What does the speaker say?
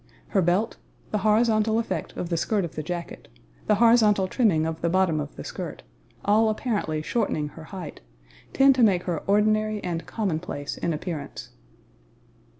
Her belt, the horizontal effect of the skirt of the jacket, the horizontal trimming of the bottom of the skirt, all apparently shortening her height, tend to make her ordinary and commonplace in appearance.